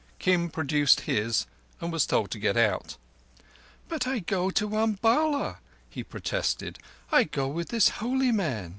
Kim produced his and was told to get out. "But I go to Umballa," he protested. "I go with this holy man."